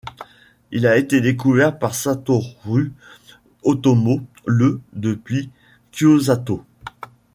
Il a été découvert par Satoru Ōtomo le depuis Kiyosato.